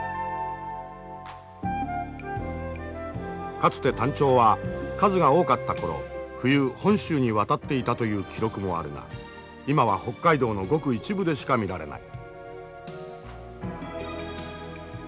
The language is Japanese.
かつてタンチョウは数が多かった頃冬本州に渡っていたという記録もあるが今は北海道のごく一部でしか見られない。